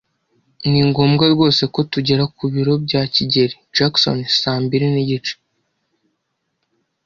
Ni ngombwa rwose ko tugera ku biro bya kigeli Jackson saa mbiri nigice.